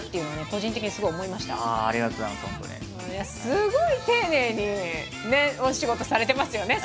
すごい丁寧にお仕事されてますよね